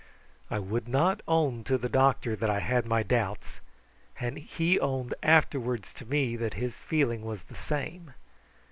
I would not own to the doctor that I had my doubts, and he owned afterwards to me that his feeling was the same.